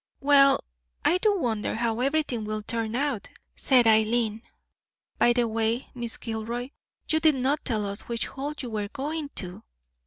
"Well, I do wonder how everything will turn out," said Eileen. "By the way, Miss Gilroy, you did not tell us which Hall you were going to?"